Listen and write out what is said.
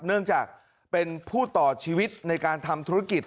เนื่องจากเป็นผู้ต่อชีวิตในการทำธุรกิจ